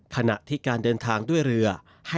ขณะที่การเดินทางด้วยเรือ